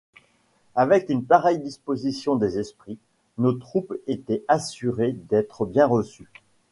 Avec une pareille disposition des esprits, nos troupes étaient assurées d'être bien reçues.